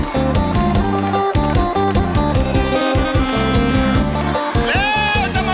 เฮ้ยเร็วเร็ว